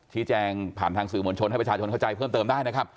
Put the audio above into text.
แจ้งผ่านทางสื่อมวลชนให้ประชาชนเข้าใจเพิ่มเติมได้นะครับ